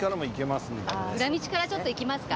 裏道からちょっと行きますか。